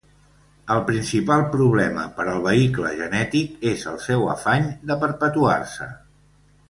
El principal problema per al vehicle genètic és el seu afany de perpetuar-se.